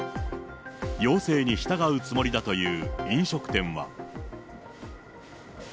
要請に従うつもりだという飲食店は。